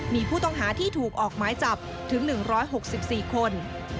มีผู้ต้องหาที่ถูกออกหมายจับถึง๑๖๔คน